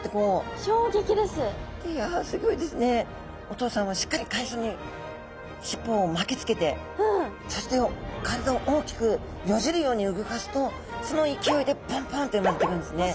お父さんはしっかり海藻にしっぽを巻きつけてそして体を大きくよじるように動かすとその勢いでポンポンって産まれてくるんですね。